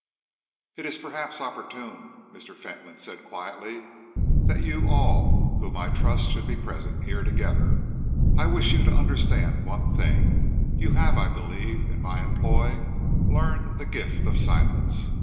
"It is perhaps opportune," Mr. Fentolin said quietly, "that you all whom I trust should be present here together. I wish you to understand one thing. You have, I believe, in my employ learned the gift of silence.